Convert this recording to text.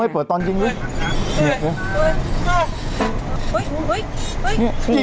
มั้ยเปิดตอนยิงมั้ย